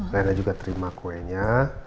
rena juga terima kuenya